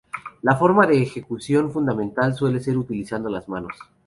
La forma de ejecución fundamental suele ser utilizando las manos.